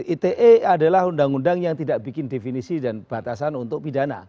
ite adalah undang undang yang tidak bikin definisi dan batasan untuk pidana